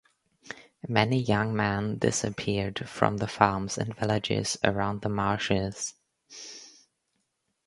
Many a young man disappeared from the farms and villages around the marshes.